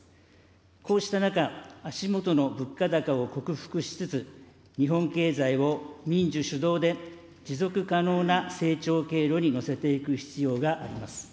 こうした中、足下の物価高を克服しつつ、日本経済を民需主導で持続可能な成長経路に乗せていく必要があります。